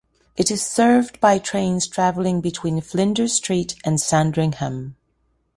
It is served by trains travelling between Flinders Street and Sandringham.